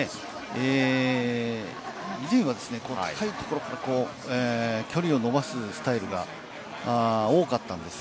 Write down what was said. そうですね、以前は高いところ、距離を伸ばすスタイルが多かったんです。